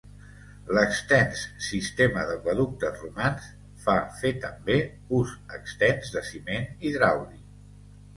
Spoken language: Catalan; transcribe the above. L'extens sistema d'aqüeductes romans fa fer també us extens de ciment hidràulic.